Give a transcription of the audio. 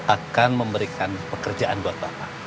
akan memberikan pekerjaan buat bapak